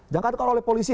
jangan jangan oleh polisi